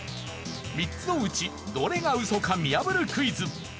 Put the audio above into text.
３つのうちどれがウソか見破るクイズ。